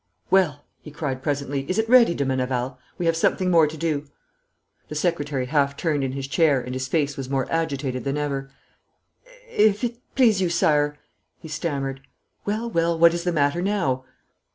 'Well,' he cried presently, 'is it ready, de Meneval? We have something more to do.' The secretary half turned in his chair, and his face was more agitated than ever. 'If it please you, Sire ' he stammered. 'Well, well, what is the matter now?'